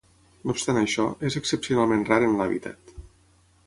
No obstant això, és excepcionalment rar en l'hàbitat.